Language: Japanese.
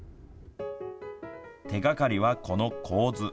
手がかりはこの公図。